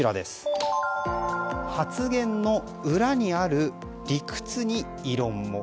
発言の裏にある理屈に異論も。